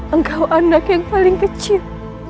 engkau anak yang paling kecil